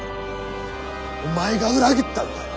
お前が裏切ったんだろ。